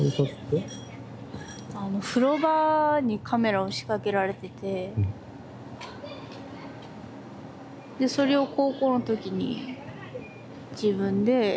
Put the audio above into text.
あの風呂場にカメラを仕掛けられててでそれを高校の時に自分で見つけて。